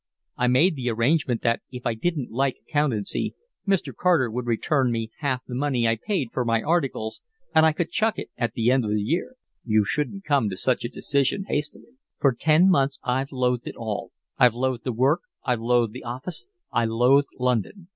I made the arrangement that if I didn't like accountancy Mr. Carter would return me half the money I paid for my articles and I could chuck it at the end of a year." "You shouldn't come to such a decision hastily." "For ten months I've loathed it all, I've loathed the work, I've loathed the office, I loathe London.